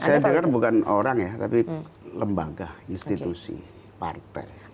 saya dengar bukan orang ya tapi lembaga institusi partai